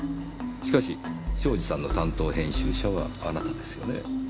しかし庄司さんの担当編集者はあなたですよね。